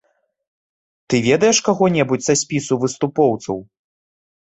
Ты ведаеш каго-небудзь са спісу выступоўцаў?